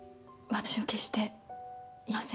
私は決して言いません。